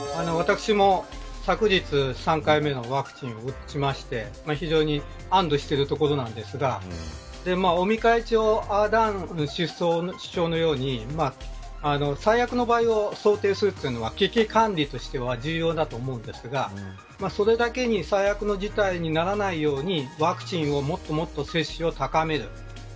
私も昨日、３回目のワクチンを打ちまして非常に安どしているところですが尾身会長アーダーン首相のように最悪の場合を想定するというのは危機管理として重要だと思うんですがそれだけに最悪の事態にならないようにワクチンをもっともっと接種を高める。